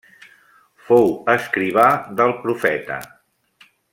Fou escrivà del Profeta.